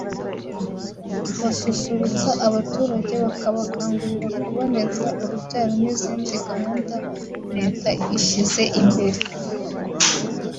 basusurutsa abaturage bakabakangurira kuboneza urubyaro n’izindi gahunda Leta ishyize imbere